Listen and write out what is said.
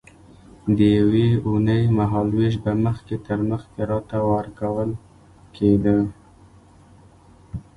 د یوې اوونۍ مهال وېش به مخکې تر مخکې راته ورکول کېده.